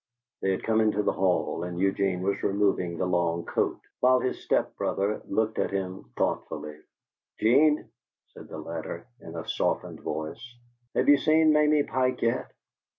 They had come into the hall, and Eugene was removing the long coat, while his step brother looked at him thoughtfully. "'Gene," asked the latter, in a softened voice, "have you seen Mamie Pike yet?"